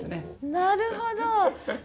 なるほど！